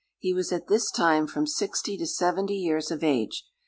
He was at this time from sixty to seventy years of age.